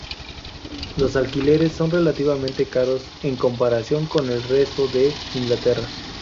Los alquileres son relativamente caros en comparación con el resto de Inglaterra.